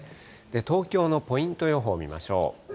東京のポイント予報見ましょう。